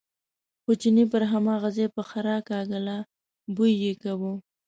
خو چیني پر هماغه ځای پښه راکاږله، بوی یې کاوه.